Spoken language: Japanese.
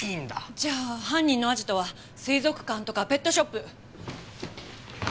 じゃあ犯人のアジトは水族館とかペットショップ！